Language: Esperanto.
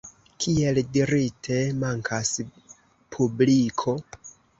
Kiel dirite, mankas publiko.